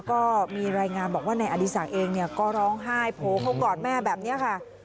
ก็มีรายงานบอกว่าในอดิสักเองก็ร้องไห้โพก่อดแม่แบบเนี้ยค่ะ